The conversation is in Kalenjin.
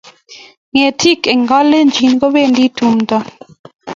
Ngetik en kalejin kopendi tumdo